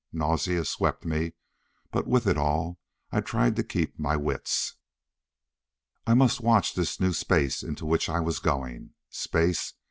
Nausea swept me, but with it all I tried to keep my wits. I must watch this new Space into which I was going. Space?